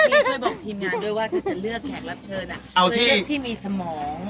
พี่ช่วยบอกทีมงานด้วยว่าจะเลือกแขกรับเชิญ